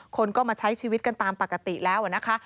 คนก็มาใช้ชีวิตกันตามปกติแล้วนะคะ